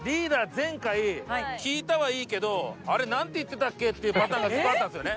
前回聞いたはいいけど「あれ？なんて言ってたっけ？」っていうパターンが結構あったんですよね。